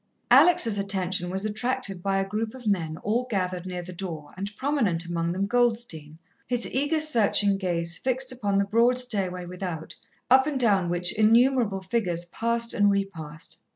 Alex' attention was attracted by a group of men all gathered near the door, and prominent among them Goldstein, his eager, searching gaze fixed upon the broad stairway without, up and down which innumerable figures passed and re passed.